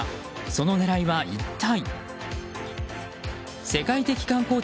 その狙いは一体？